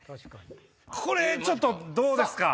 これちょっとどうですか？